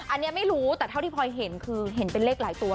อันนี้ไม่รู้แต่เท่าที่พลอยเห็นคือเห็นเป็นเลขหลายตัว